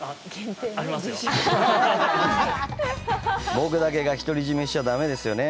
僕だけが独り占めしちゃだめですよね。